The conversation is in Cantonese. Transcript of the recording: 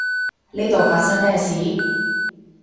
呢度發生咩事？